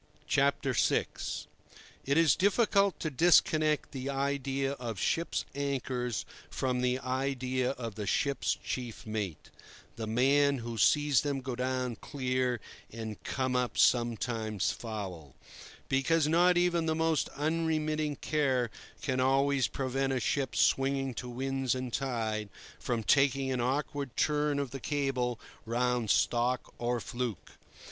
VI. It is difficult to disconnect the idea of ships' anchors from the idea of the ship's chief mate—the man who sees them go down clear and come up sometimes foul; because not even the most unremitting care can always prevent a ship, swinging to winds and tide, from taking an awkward turn of the cable round stock or fluke.